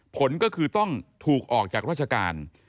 ผลก็คือต้องถูกออกจากราชการ